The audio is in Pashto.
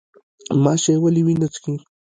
ماشی ولې وینه څښي؟